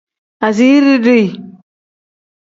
Asiiri dii.